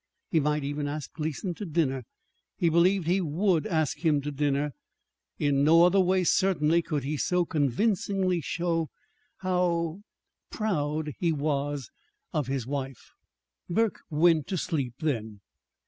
He might even ask Gleason to dinner. He believed he would ask him to dinner. In no other way, certainly, could he so convincingly show how er proud he was of his wife. Burke went to sleep then.